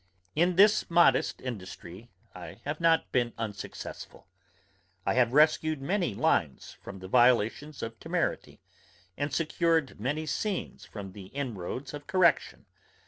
In this modest industry I have not been unsuccessful. I have rescued many lines from the violations of temerity, and secured many scenes from the inroads of correction.